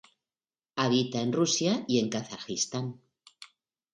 Habita en Rusia y Kazajistán.